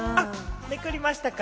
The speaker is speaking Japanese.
めくりましたか？